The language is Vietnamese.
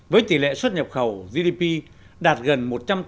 với tỷ lệ xuất nhập khẩu gdp đạt gần một trăm tám mươi